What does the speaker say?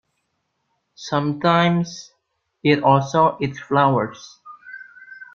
Sometimes it also eats flowers.